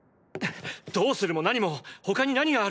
どうするも何も他に何がある？